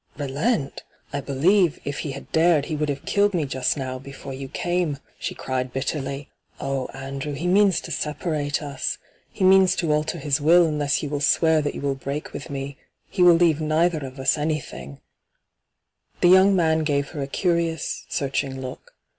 * Relent ? I believe, if he had dared, he would have killed me just now before you hyGoogIc 12 ENTRAPPED came I* she cried bitteriy. ' Oh, Andrew, he means to separate us I He means to alter his will unlera you will swear that you will break with me. He will leave neither of us any thing r The young man gave her a curious, search ing look.